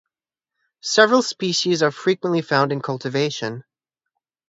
Several species are frequently found in cultivation.